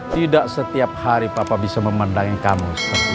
tidak setiap hari papa bisa memandangi kamu